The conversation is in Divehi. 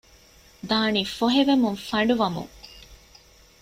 ދާނީ ފޮހެވެމުން ފަނޑުވަމުން